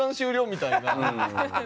みたいな。